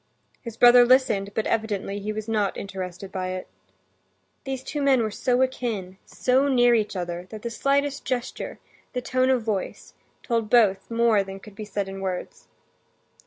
His brother listened, but evidently he was not interested by it. These two men were so akin, so near each other, that the slightest gesture, the tone of voice, told both more than could be said in words.